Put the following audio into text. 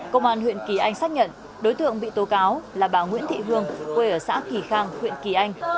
công an huyện kỳ anh xác nhận đối tượng bị tố cáo là bà nguyễn thị hương quê ở xã kỳ khang huyện kỳ anh